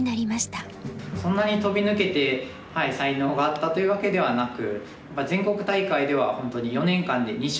そんなに飛び抜けて才能があったというわけではなく。